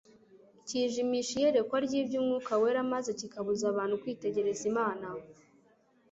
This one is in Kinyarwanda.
Cyijimisha iyerekwa ry'iby'Umwuka Wera, maze kikabuza abantu kwitegereza Imana.